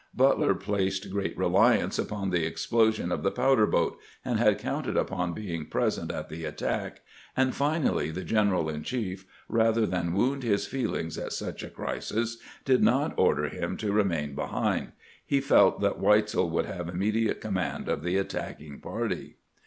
Butler placed great reliance upon the explosion of the powder boat, and had counted upon being present at the attack; and finally grant's ayeksion to liars 339 the general in cMef, rather tlian wound his feelings at such a crisis, did not order him to remain behind. He felt that Weitzel would have immediate command of the attacking party.